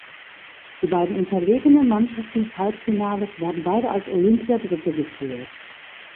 Die beiden unterlegenen Mannschaften des Halbfinales werden beide als Olympiadritte geführt.